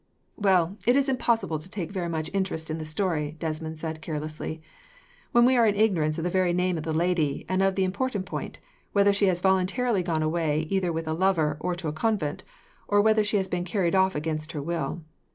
"Well, it is impossible to take very much interest in the story," Desmond said carelessly, "when we are in ignorance of the very name of the lady, and of the important point, whether she has voluntarily gone away either with a lover or to a convent, or whether she has been carried off against her will.